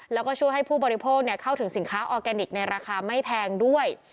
แล้วก็ช่วยให้ผู้บริโภคเข้าถึงสินค้าออร์แกนิคในราคาไม่แพงด้วย